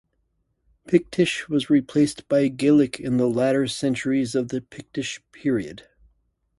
Pictish was replaced by Gaelic in the latter centuries of the Pictish period.